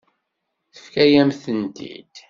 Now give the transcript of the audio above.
Tefka-yam-tent-id.